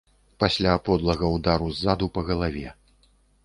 Пасля подлага ўдару ззаду па галаве.